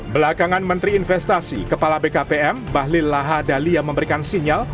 belakangan menteri investasi kepala bkpm bahlil lahadalia memberikan sinyal